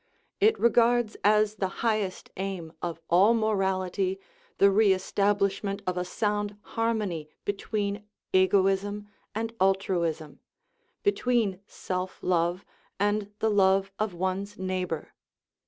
It regards as the highest aim of all morality the re establishment of a sound harmony between egoism and altruism, between self love and the love of one's neighbor.